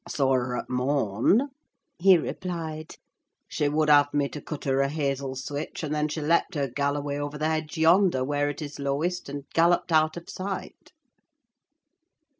"I saw her at morn," he replied: "she would have me to cut her a hazel switch, and then she leapt her Galloway over the hedge yonder, where it is lowest, and galloped out of sight."